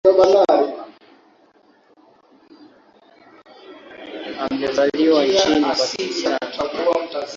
Amezaliwa nchini Pakistan.